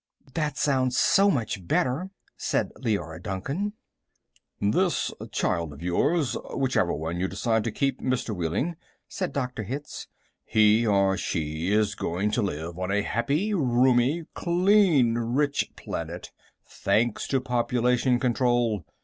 "That sounds so much better," said Leora Duncan. "This child of yours whichever one you decide to keep, Mr. Wehling," said Dr. Hitz. "He or she is going to live on a happy, roomy, clean, rich planet, thanks to population control.